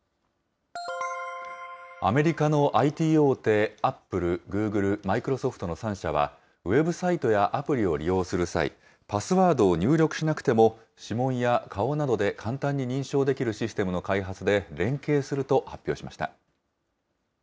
アメリカのＩＴ大手、アップル、グーグル、マイクロソフトの３社は、ウェブサイトやアプリを利用する際、パスワードを入力しなくても、指紋や顔などで簡単に認証できるシステムの開発で連携すると発表しました。